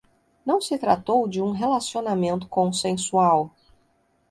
Não se tratou de um relacionamento consensual